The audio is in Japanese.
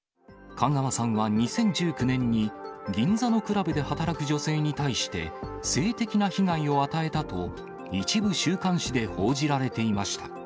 香川さんは２０１９年に銀座のクラブで働く女性に対して性的な被害を与えたと、一部週刊誌で報じられていました。